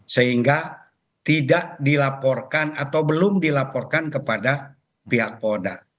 sehingga tidak dilaporkan atau belum dilaporkan kepada pihak polda